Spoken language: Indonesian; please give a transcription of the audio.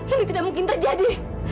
ini tidak mungkin terjadi